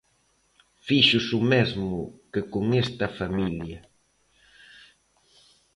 Fíxose o mesmo que con esta familia.